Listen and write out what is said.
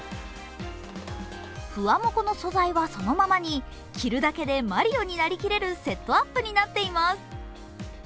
ふわもこの素材はそのままに着るだけでマリオに成りきれるセットアップになっています。